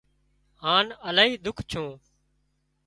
هانَ الاهي ۮُک ڇُون